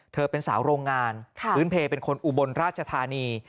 เธอเป็นสาวโรงงานพื้นเพลเป็นคนอุบลราชธานี